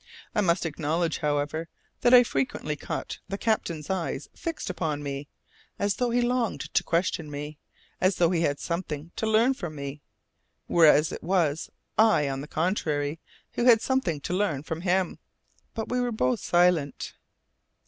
I must acknowledge, however, that I frequently caught the captain's eyes fixed upon me, as though he longed to question me, as though he had something to learn from me, whereas it was I, on the contrary, who had something to learn from him. But we were both silent.